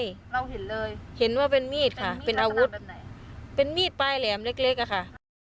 เราเห็นเลยเห็นว่าเป็นมีดค่ะเป็นอาวุธแบบไหนเป็นมีดปลายแหลมเล็กเล็กอะค่ะ